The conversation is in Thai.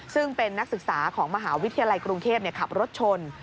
ซึ่งเป็นนักศึกษาของมหาวิทยาลัยกรุงเทพขับรถชน